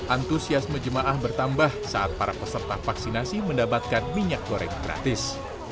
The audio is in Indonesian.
antusiasme jemaah bertambah saat para peserta vaksinasi mendapatkan minyak goreng gratis